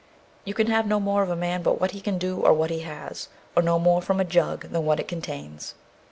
_ You can have no more of a man but what he can do or what he has, or no more from a jug than what it contains.